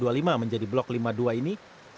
yang berbeda dengan blok b yang berbeda dengan blok b